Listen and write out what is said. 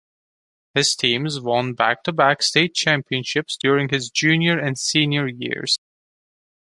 His teams won back-to-back state championships during his junior and senior years.